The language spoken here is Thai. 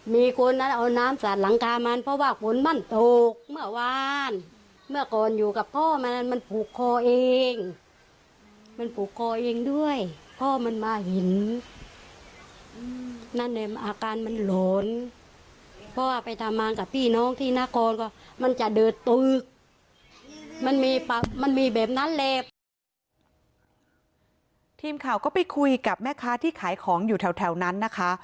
ทีมข่าวก็ไปคุยกับแม่ค้าที่ขายของอยู่แถวนั้นนะคะ